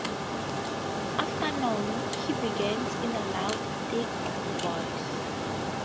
"Afternoon," he began in a loud thick voice.